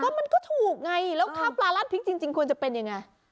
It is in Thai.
มันก็ถูกไงแล้วข้าวปลารัดพริกจริงควรจะเป็นยังไง